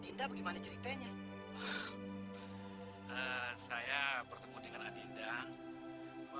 ini dia teman lo